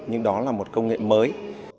nhưng đó là một công nghệ mới